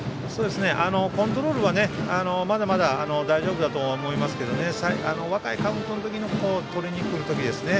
コントロールはまだまだ大丈夫だと思いますけど若いカウントの時にとりにいく時ですね